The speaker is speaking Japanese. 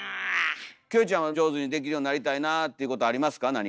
キョエちゃんは上手にできるようになりたいなっていうことありますか？